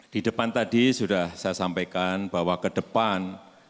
di depan tadi sudah saya sampaikan bahwa ke depan